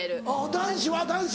男子男子。